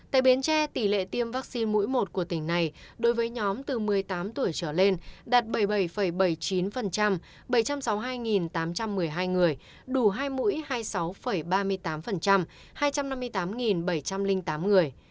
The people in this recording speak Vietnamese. tại bến tre tỷ lệ tiêm vaccine mũi một của tỉnh này đối với nhóm từ một mươi tám tuổi trở lên đạt bảy mươi bảy bảy mươi chín bảy trăm sáu mươi hai tám trăm một mươi hai người đủ hai mũi hai mươi sáu ba mươi tám hai trăm năm mươi tám bảy trăm linh tám người